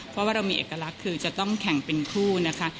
เพราะว่าเรามีเอกลักษณ์คือจะต้องแข่งเป็นคู่นะคะ